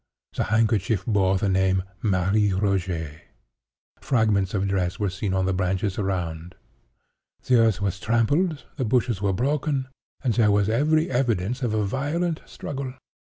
The handkerchief bore the name, 'Marie Rogêt.' Fragments of dress were seen on the branches around. The earth was trampled, the bushes were broken, and there was every evidence of a violent struggle.